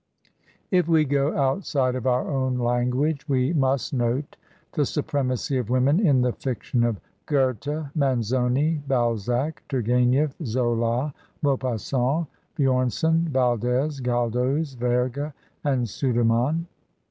If we go outside of our own language, we must note the supremacy of women in the fiction of Goethe, Manzoni, Balzac, Tourgu6nief, Zola, Maupas sant, Bjomsen, Vald6s, Gald6s, Verga, and Sudermann.